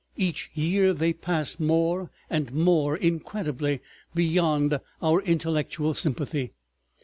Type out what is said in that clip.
Each year they pass more and more incredibly beyond our intellectual sympathy.